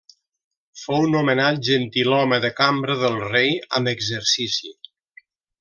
Fou nomenat gentilhome de cambra del Rei amb exercici.